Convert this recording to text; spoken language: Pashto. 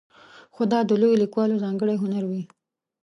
خو دا د لویو لیکوالو ځانګړی هنر وي.